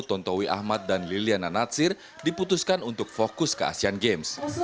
tontowi ahmad dan liliana natsir diputuskan untuk fokus ke asean games